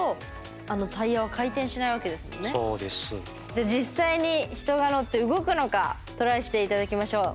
じゃ実際に人が乗って動くのかトライして頂きましょう。